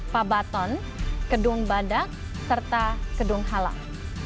pabaton kedung badak serta kedung halang